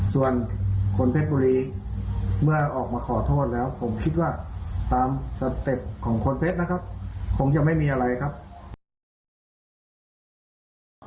ส่วนคนเพชรบุรีเมื่อออกมาขอโทษแล้วผมคิดว่าตามสเต็ปของคนเพชรนะครับคงจะไม่มีอะไรครับ